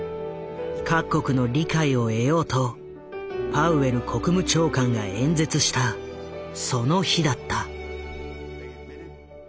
各国の理解を得ようとパウエル国務長官が演説したその日だった。